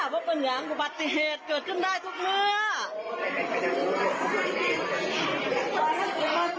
เจ๊บัวบานยางครับประธิเหตุเกิดขึ้นได้ทุกเมื่อ